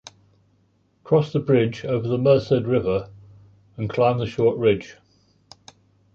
Cross the bridge over the Merced River and climb the short ridge.